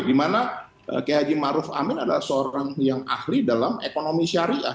dimana kehaji ma'ruf amin adalah seorang yang ahli dalam ekonomi syariah